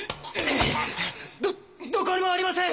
どどこにもありません！